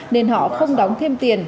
nên họ không đóng thêm tiền